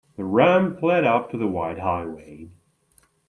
The ramp led up to the wide highway.